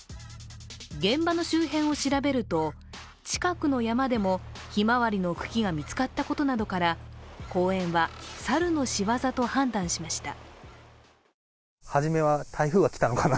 現場の周辺を調べると、近くの山でもひまわりの茎が見つかったことなどから公園は猿のしわざと判断しました。